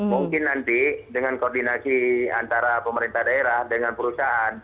mungkin nanti dengan koordinasi antara pemerintah daerah dengan perusahaan